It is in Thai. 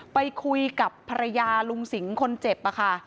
ไปคุยกับภรรยาลุงสิงห์คนเจ็บค่ะ